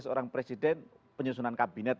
seorang presiden penyusunan kabinet